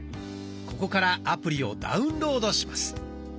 ここからアプリをダウンロードします。